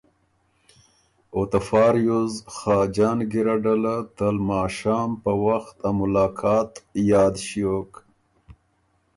او ته فا ریوز خاجان ګیرډه له ته لماشام په وخت ا ملاقات یاد ݭیوک